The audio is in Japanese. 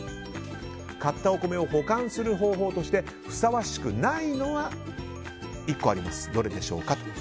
買ったお米を保管する方法としてふさわしくないのは１個あります。